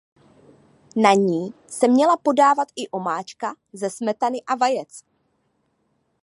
Na ní se měla podávat i omáčka ze smetany a vajec.